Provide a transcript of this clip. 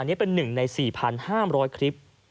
อันนี้เป็น๑ใน๔๕๐๐คลิป